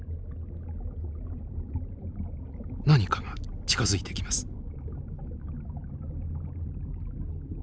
何かが近づいてきます。